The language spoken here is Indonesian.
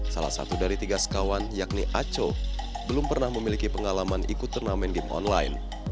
salah satu dari tiga sekawan yakni aco belum pernah memiliki pengalaman ikut turnamen game online